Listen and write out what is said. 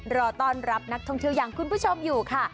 รอต้อนรับนักท่องเที่ยวอย่างคุณผู้ชมอยู่ค่ะ